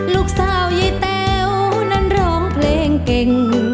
ลูกสาวยี่แต่วนั้นร้องเพลงเก่ง